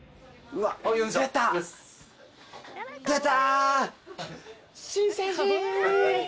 出た！